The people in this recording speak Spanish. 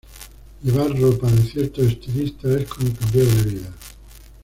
Llevar ropa de ciertos estilistas es como cambiar de vida.